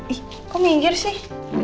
ih kok minggir sih